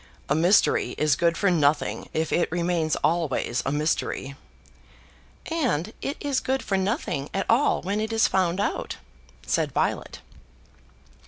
A mystery is good for nothing if it remains always a mystery." "And it is good for nothing at all when it is found out," said Violet.